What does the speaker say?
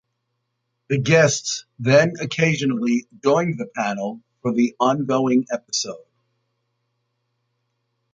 The guests then occasionally joined the panel for the ongoing episode.